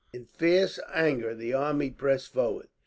In fierce anger the army pressed forward.